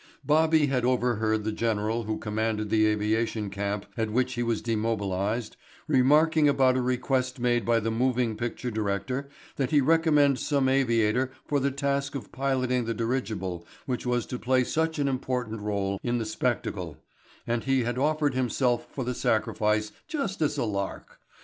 Bobby had overheard the general who commanded the aviation camp at which he was demobilized remarking about a request made by the moving picture director that he recommend some aviator for the task of piloting the dirigible which was to play such an important role in the spectacle and he had offered himself for the sacrifice just as a lark.